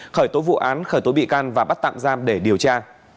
khởi tố vụ án khởi tố bị can và bắt tạm giam để điều tra